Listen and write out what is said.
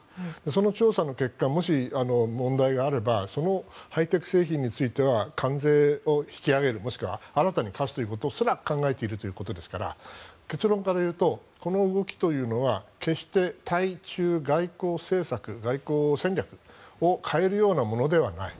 その調査の結果もし問題があればそのハイテク製品については関税を引き上げるもしくは新たに課すということすら考えているということですから結論から言うとこの動きというのは決して対中外交政策、外交戦略を変えるようなものではない。